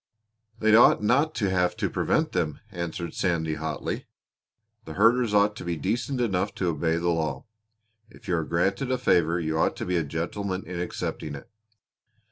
"They ought not to have to prevent them!" answered Sandy, hotly. "The herders ought to be decent enough to obey the law. If you are granted a favor you ought to be a gentleman in accepting it.